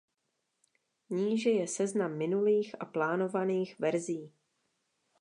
Níže je seznam minulých a plánovaných verzí.